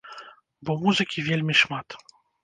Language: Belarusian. Бо музыкі вельмі шмат!